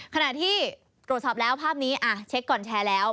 ขณะที่ตรวจสอบแล้วภาพนี้เช็คก่อนแชร์แล้ว